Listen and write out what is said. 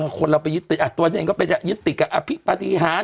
แต่หลังคนเราไปยึดติดตัวเองก็ไปยึดติดกับอภิปฏิหาร